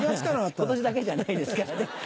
今年だけじゃないですからね。